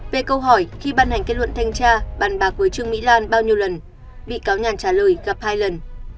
về câu hỏi khi ban hành kết luận thanh tra bàn bạc với trương mỹ lan bao nhiêu lần bị cáo nhàn trả lời gặp hai lần